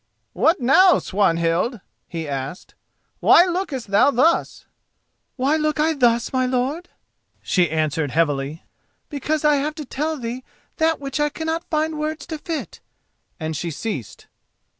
"What now, Swanhild?" he asked. "Why lookest thou thus?" "Why look I thus, my lord?" she answered heavily. "Because I have to tell thee that which I cannot find words to fit," and she ceased.